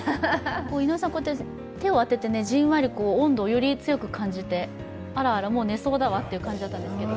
井上さん、手を当ててじんわりと温度をより強く感じて、あらあら、もう寝そうだわって感じですけど。